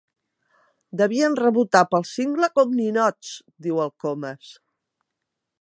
Devien rebotar pel cingle com ninots! —diu el Comas.